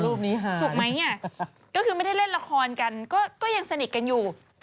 รูปนี้หายถูกไหมเนี่ยก็คือไม่ได้เล่นละครกันก็ยังสนิทกันอยู่